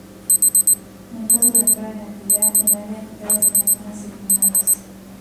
En caso de entrar en actividad, el área afectada serían zonas circundantes.